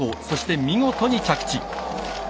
そして見事に着地。